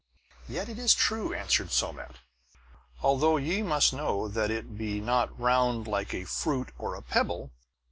"Yet it is true," answered Somat, "although ye must know that it be not round like a fruit or a pebble.